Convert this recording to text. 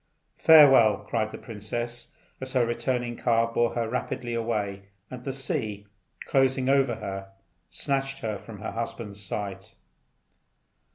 "Farewell!" cried the princess, as her returning car bore her rapidly away, and the sea, closing over her, snatched her from her husband's sight.